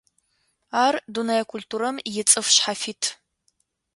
Ар дунэе культурэм ицӀыф шъхьафит.